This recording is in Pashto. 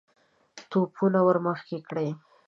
توپونه ور مخکې کړئ!